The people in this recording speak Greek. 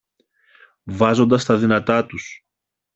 βάζοντας τα δυνατά τους